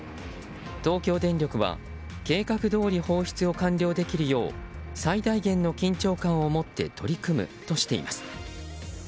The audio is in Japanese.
東京電力は計画どおり放出を完了できるよう最大限の緊張感をもって取り組むとしています。